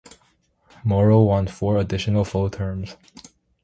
Morrow won four additional full terms.